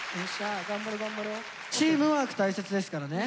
チームワーク大切ですからね。